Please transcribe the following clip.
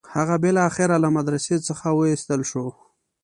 هغه بالاخره له مدرسې څخه وایستل شو.